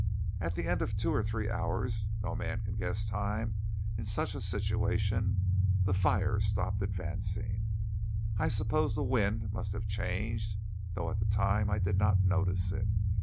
At the end of two or three hours no man can guess time in such a situation the fire stopped advancing. I suppose the wind must have changed, though at the time I did not notice it.